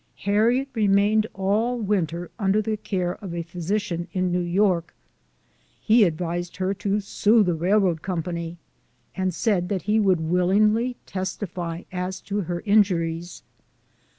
Harriet remained all winter under the care of a physician in New York; he advised her to sue the Railroad company, and said that he would willingly testify as to her inju ries.